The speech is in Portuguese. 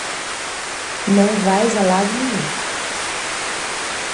Não vais a lado nenhum!